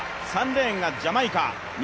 ３レーンがジャマイカ。